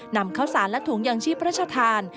นำข้าวสารและถุงยางชีพพระชธาน